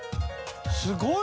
すごい！